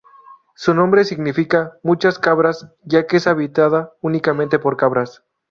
Su nombre significa "muchas cabras", ya que es habitada únicamente por cabras.